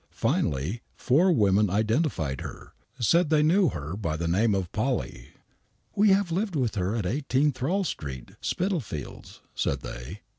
Finally four women identified her, said they knew her by the name of " Polly." " We have lived with her at 18 Thrawl Street, Spitalfields," said they.